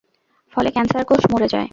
ফলে ক্যান্সার কোষ মরে যায়।